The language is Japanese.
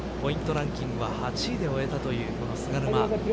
ランキングは８位で終えたというこの菅沼。